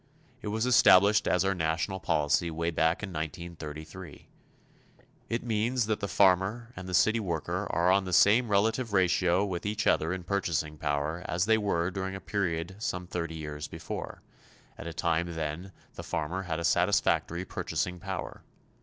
It was established as our national policy way back in 1933. It means that the farmer and the city worker are on the same relative ratio with each other in purchasing power as they were during a period some thirty years before at a time then the farmer had a satisfactory purchasing power.